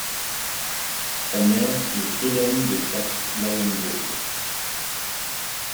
Sa mère est Hélène de Saxe-Lauenbourg.